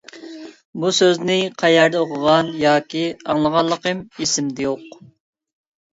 بۇ سۆزنى قەيەردە ئوقۇغان ياكى ئاڭلىغانلىقىم ئېسىمدە يوق.